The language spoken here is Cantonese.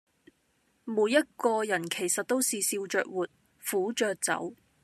每一個人其實都是笑著活，苦著走